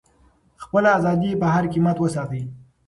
خپله ازادي په هر قیمت وساتئ.